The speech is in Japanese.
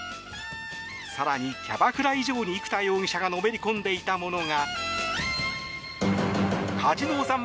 更に、キャバクラ以上に生田容疑者がのめり込んでいたものが。